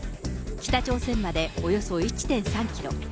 北朝鮮まで、およそ１．３キロ。